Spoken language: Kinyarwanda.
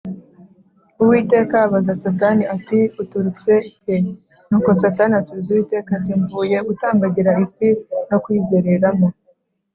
uwiteka abaza satani ati “uturutse he’” nuko satani asubiza uwiteka ati “mvuye gutambagira isi no kuyizereramo”